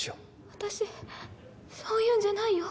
私そういうんじゃないよ。